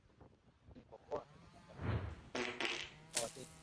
lakini kwa kuoa katika Bahima au kufanya kazi kwa Watemi